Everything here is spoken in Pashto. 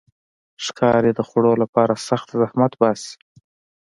ښکاري د خوړو لپاره سخت زحمت باسي.